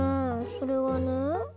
それはね